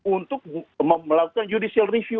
untuk melakukan judicial review